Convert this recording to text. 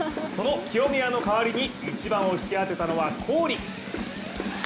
その清宮の代わりに１番を引き当てたのは郡。